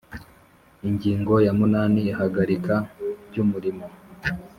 Ingingo ya munani Ihagarika ry’umurimo